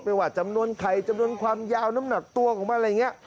ว่าจำนวนไข่จำนวนความยาวน้ำหนักตัวของมันอะไรอย่างนี้